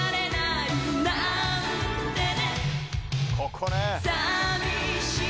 ここね！